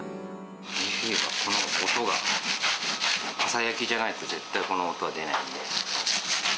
ミルフィーユはこの音が、朝焼きじゃないと、絶対この音は出ないんで。